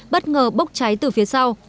bất ngờ bốc cháy từ phía sau